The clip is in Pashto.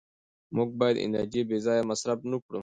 موږ باید انرژي بېځایه مصرف نه کړو